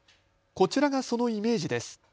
こちらがそのイメージです。